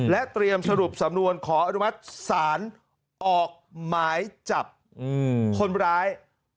เตรียมสรุปสำนวนขออนุมัติศาลออกหมายจับคนร้าย